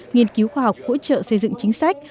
nghiên cứu khoa học hỗ trợ xây dựng chính sách